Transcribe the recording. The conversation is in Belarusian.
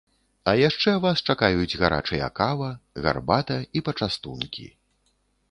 А яшчэ вас чакаюць гарачыя кава, гарбата і пачастункі.